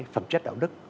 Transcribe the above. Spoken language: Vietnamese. phẩm chất đạo đức